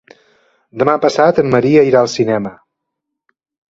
Demà passat en Maria irà al cinema.